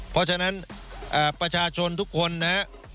เพราะฉะนั้นประชาชนทุกคนนะครับ